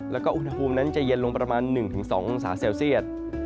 แล้วก็อุณหภูมินั้นจะเย็นลงประมาณ๑๒องศาเซลเซียต